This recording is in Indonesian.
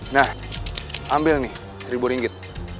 nah ambil nih seribu ringgit